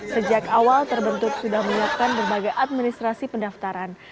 sejak awal terbentuk sudah menyiapkan berbagai administrasi pendaftaran